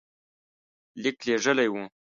لیک لېږلی وو.